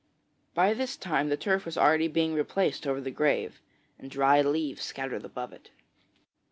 By this time the turf was carefully being replaced over the grave, and dry leaves scattered above it.